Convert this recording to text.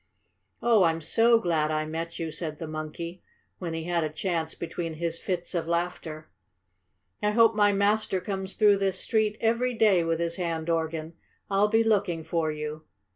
"Oh, I'm so glad I met you!" said the monkey, when he had a chance between his fits of laughter. "I hope my master comes through this street every day with his hand organ. I'll be looking for you."